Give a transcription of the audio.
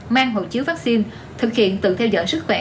mang hộ chiếu vaccine thực hiện tự theo dõi sức khỏe